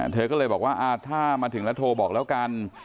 เธอก็เลยบอกว่าถ้ามาถึงแล้วโทรบอกแล้วกัน